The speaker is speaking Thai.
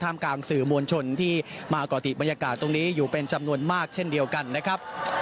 กลางสื่อมวลชนที่มาก่อติดบรรยากาศตรงนี้อยู่เป็นจำนวนมากเช่นเดียวกันนะครับ